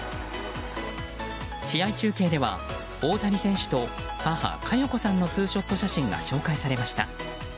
試合中継では、大谷選手と、母加代子さんのツーショット写真が紹介されました。